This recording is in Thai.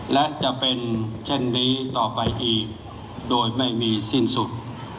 และจะเป็นเช่นนี้ต่อไปอีกโดยไม่มีสิ้นสุด